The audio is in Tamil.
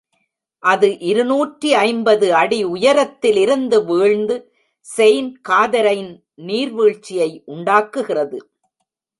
அது இருநூற்று ஐம்பது அடி உயரத்திலிருந்து வீழ்ந்து செயிண்ட் காதரைன் நீர்வீழ்ச்சியை உண்டாக்குகிறது.